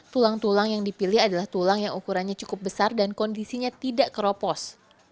tulang tulang yang dipilih adalah tulang yang ukurannya cukup besar dan kondisinya tidak keropos